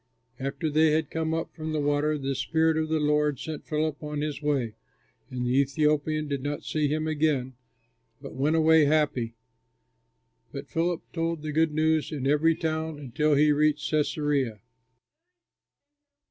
After they had come up from the water, the Spirit of the Lord sent Philip on his way, and the Ethiopian did not see him again, but went away happy. But Philip told the good news in every town until he reached Cæsarea.